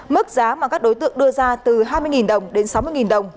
mức giá mà các đối tượng đưa ra từ hai mươi đồng đến sáu mươi đồng